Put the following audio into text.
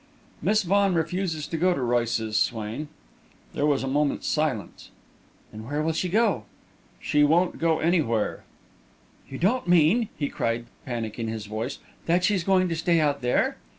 "Miss Vaughan refuses to go to the Royces', Swain." There was a moment's silence. "Then where will she go?" "She won't go anywhere." "You don't mean," he cried, panic in his voice, "that she's going to stay out there?"